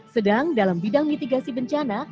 sedang dalam bidang mitigasi bencana